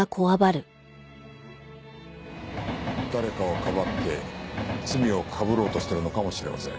誰かをかばって罪をかぶろうとしてるのかもしれません。